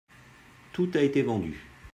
Tout a été vendu.